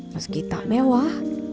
meski tak mewah